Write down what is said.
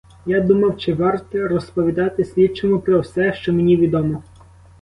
Я думав: чи варт розповідати слідчому про все, що мені відомо?